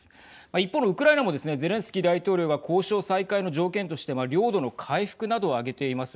一方のウクライナもですねゼレンスキー大統領が交渉再開の条件として領土の回復などを挙げています。